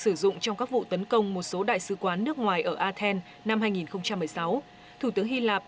sử dụng trong các vụ tấn công một số đại sứ quán nước ngoài ở athens năm hai nghìn một mươi sáu thủ tướng hy lạp